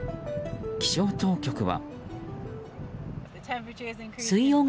気象当局は。